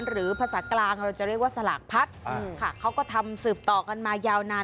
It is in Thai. หรือภาษากลางเราจะเรียกว่าสลากพัดค่ะเขาก็ทำสืบต่อกันมายาวนาน